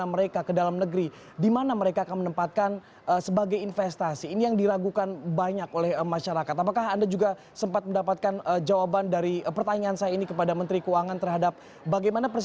berita terkini dari dpr